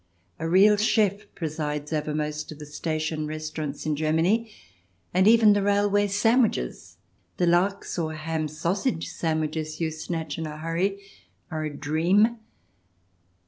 A real c/?^ presides over most of the station restaurants in Germany, and even the railway sandwiches — the lacks, or ham sausage sand wiches you snatch in a hurry — are a dream.